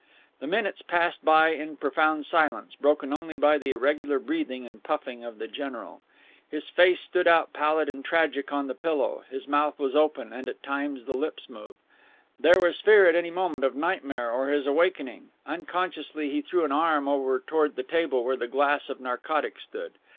The minutes passed by in profound silence, broken only by the irregular breathing and puffing of the general. His face stood out pallid and tragic on the pillow; his mouth was open and, at times, the lips moved. There was fear at any moment of nightmare or his awakening. Unconsciously he threw an arm over toward the table where the glass of narcotic stood.